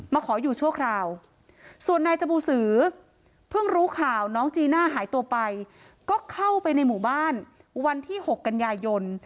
ขออยู่ชั่วคราวส่วนนายจบูสือเพิ่งรู้ข่าวน้องจีน่าหายตัวไปก็เข้าไปในหมู่บ้านวันที่๖กันยายน